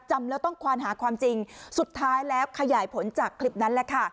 จำแล้วต้องควานหาความจริงสุดท้ายแล้วขยายผลจากคลิปนั้นแหละค่ะ